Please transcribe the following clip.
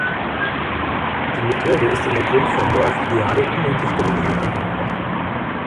Die Methode ist in der Grundform nur auf ideale, unendlich dünne Linien anwendbar.